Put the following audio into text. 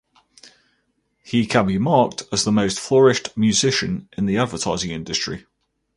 He can be marked as the most flourished musician in advertising industry.